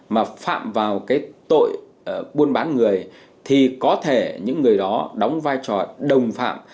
mà phạm vào cái tội buôn bán người thì có thể những người đó đóng vai trò đồng phạm